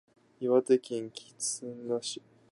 岩手県気仙沼市